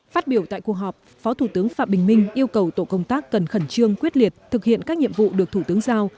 phát biểu tại cuộc họp phó thủ tướng phạm bình minh yêu cầu tổ công tác cần khẩn trương quyết liệt thực hiện các nhiệm vụ được thủ tướng giao